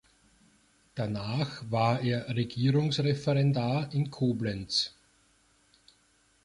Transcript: Danach war er Regierungsreferendar in Koblenz.